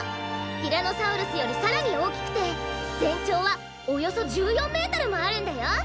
ティラノサウルスよりさらにおおきくてぜんちょうはおよそ１４メートルもあるんだよ！